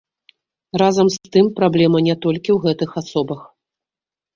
Разам з тым, праблема не толькі ў гэтых асобах.